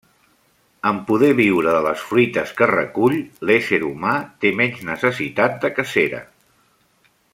En poder viure de les fruites que recull, l'ésser humà té menys necessitat de cacera.